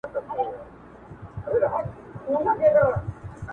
ياني کله چي د استعمارګر